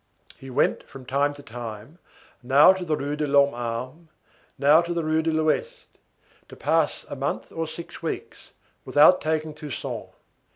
He went from time to time, now to the Rue de l'Homme Armé, now to the Rue de l'Ouest, to pass a month or six weeks, without taking Toussaint.